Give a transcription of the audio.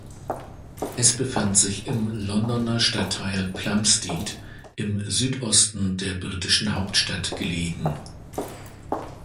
Es befand sich im Londoner Stadtteil Plumstead, im Südosten der britischen Hauptstadt gelegen.